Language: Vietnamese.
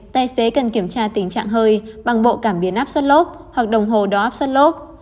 tài xế cần kiểm tra tình trạng hơi bằng bộ cảm biến áp suất lốp hoặc đồng hồ đo áp suất lốp